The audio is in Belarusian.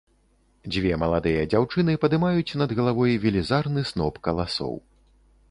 Дзве маладыя дзяўчыны падымаюць над галавой велізарны сноп каласоў.